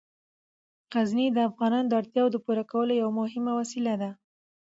غزني د افغانانو د اړتیاوو د پوره کولو یوه مهمه وسیله ده.